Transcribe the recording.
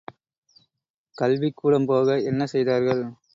கல்விக் கூடம் போக என்ன செய்தார்கள்?